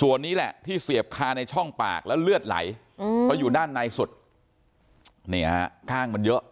ส่วนนี้แหละที่เสียบคาในช่องปากแล้วเลือดไหลเพราะอยู่ด้านในสุดข้างมันเยอะ